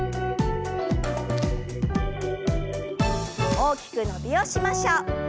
大きく伸びをしましょう。